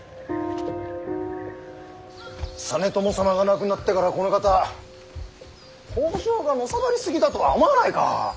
実朝様が亡くなってからこのかた北条がのさばり過ぎだとは思わないか。